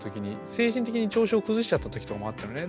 精神的に調子を崩しちゃった時とかもあったのね